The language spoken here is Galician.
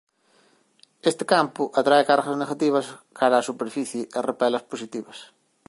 Este campo atrae cargas negativas cara á superficie e repele as positivas.